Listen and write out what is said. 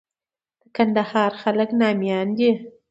د کندهار خلک ناميان دي.